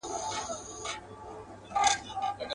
پیالې به نه وي شور به نه وي مست یاران به نه وي.